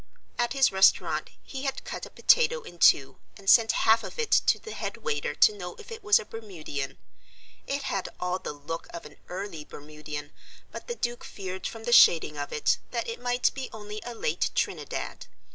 At his restaurant he had cut a potato in two and sent half of it to the head waiter to know if it was Bermudian. It had all the look of an early Bermudian, but the Duke feared from the shading of it that it might be only a late Trinidad.